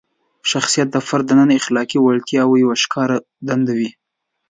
شخصیت د فرد دننه د اخلاقي وړتیاوو یوه ښکارندویي ده.